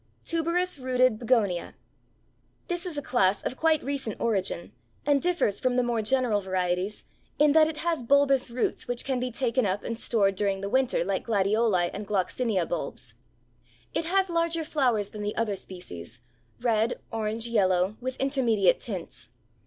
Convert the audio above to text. TUBEROUS ROOTED BEGONIA. This is a class of quite recent origin, and differs from the more general varieties, in that it has bulbous roots which can be taken up and stored during the winter like Gladioli and Gloxinia bulbs. It has larger flowers than the other species; red, orange, yellow, with intermediate tints.